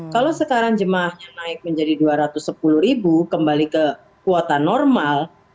kalau sekarang jemaahnya naik menjadi dua ratus sepuluh ribu kembali ke kuota normal